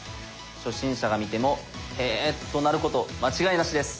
初心者が見ても「へえ」となること間違いなしです。